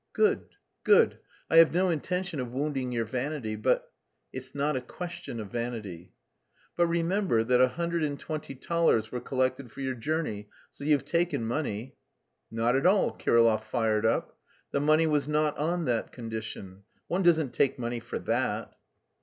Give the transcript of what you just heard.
"Good, good. I have no intention of wounding your vanity, but..." "It's not a question of vanity." "But remember that a hundred and twenty thalers were collected for your journey, so you've taken money." "Not at all." Kirillov fired up. "The money was not on that condition. One doesn't take money for that."